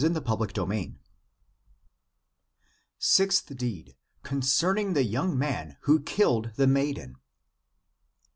270 THE APOCRYPHAL ACTS Sixth Deed, concerning the young man who killed the MAIDEN.